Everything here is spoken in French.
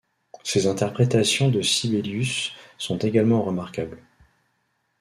Ses interprétations de Sibelius sont également remarquables.